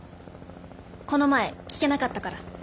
この前聞けなかったから。